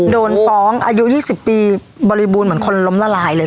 โดนฟ้องอายุ๒๐ปีบริบูรณ์เหมือนคนล้มละลายเลย